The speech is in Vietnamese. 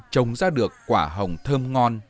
trông ra được quả hồng thơm ngon